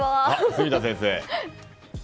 住田先生。